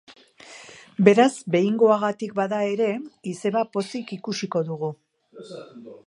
Beraz, behingoagatik bada ere, izeba pozik ikusiko dugu!